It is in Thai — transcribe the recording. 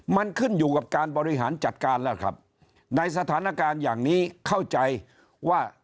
มันขึ้นอยู่กับการบริหารจัดการแล้วครับในสถานการณ์อย่างนี้เข้าใจว่า